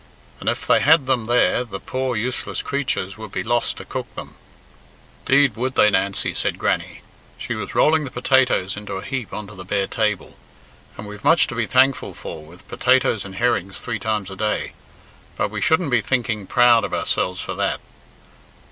"And if they had them there, the poor, useless creatures would be lost to cook them." "'Deed, would they, Nancy," said Grannie. She was rolling the potatoes into a heap on to the bare table. "And we've much to be thankful for, with potatoes and herrings three times a day; but we shouldn't be thinking proud of our selves for that."